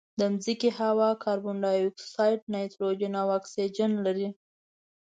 د مځکې هوا کاربن ډای اکسایډ، نایتروجن او اکسیجن لري.